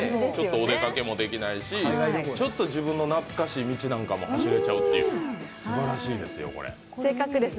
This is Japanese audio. お出かけもできないし、自分の懐かしい道なんかも走れちゃうという、すばらしいんですよ。